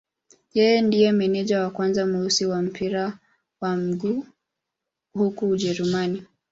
Yeye ndiye meneja wa kwanza mweusi wa mpira wa miguu huko Ujerumani.